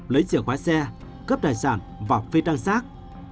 lấy chìa khóa xe cướp đài sản và phi trang sát